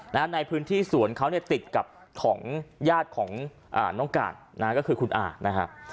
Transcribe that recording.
ในพื้นที่สวนเขาเนี่ยติดกับของญาติของน้องการนะฮะก็คือคุณอานะฮะ